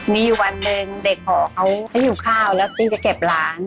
มีวันหนึ่งเด็กของเขาให้อยู่ข้าวแล้วที่จะเก็บร้าน